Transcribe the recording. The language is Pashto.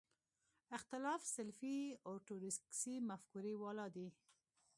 اختلاف سلفي اورتودوکسي مفکورې والا دي.